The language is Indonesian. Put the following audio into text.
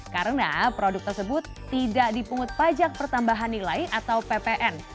karena produk tersebut tidak dipungut pajak pertambahan nilai atau ppn